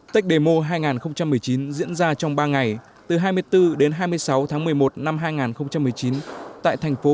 tech demo hai nghìn một mươi chín diễn ra trong ba ngày từ hai mươi bốn đến hai mươi sáu tháng một mươi một năm hai nghìn một mươi chín tại thành phố